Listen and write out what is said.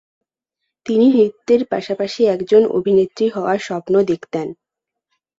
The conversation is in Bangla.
তিনি নৃত্যের পাশাপাশি একজন অভিনেত্রী হওয়ার স্বপ্ন দেখতেন।